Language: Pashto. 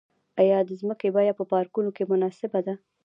آیا د ځمکې بیه په پارکونو کې مناسبه ده؟